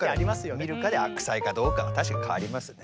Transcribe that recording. どっから見るかで悪妻かどうかは確かに変わりますね。